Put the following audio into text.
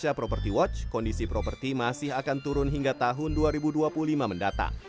setelah memulai kondisi properti watch kondisi properti masih akan turun hingga tahun dua ribu dua puluh lima mendatang